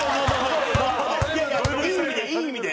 いい意味でいい意味で！